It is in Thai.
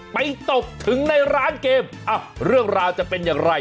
ตบถึงในร้านเกมเรื่องราวจะเป็นอย่างไร